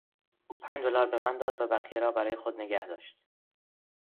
او پنج دلار به من داد و بقیه را برای خود نگه داشت.